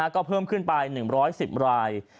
ก็เพิ่มขึ้นไป๑๑๐ราย